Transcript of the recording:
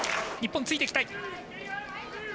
日本ついていきたい。